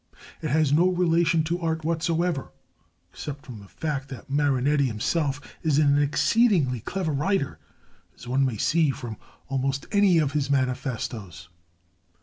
It has no relation to art whatsoever except from the fact that Marinetti himself is an exceedingly clever writer, as one may see from almost any of his manifestoes.